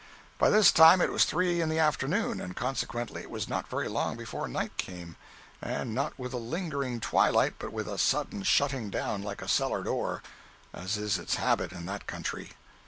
By this time it was three in the afternoon, and consequently it was not very long before night came—and not with a lingering twilight, but with a sudden shutting down like a cellar door, as is its habit in that country.